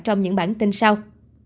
trong những bản tin sau